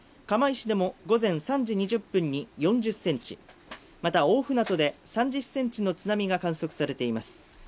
釜石市でも午前３時２０分に４０センチまた大船渡で３０センチの津波が観測されています。